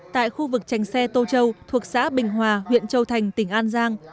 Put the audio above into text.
tại khu vực trành xe tô châu thuộc xã bình hòa huyện châu thành tỉnh an giang